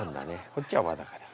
こっちは「ワ」だから。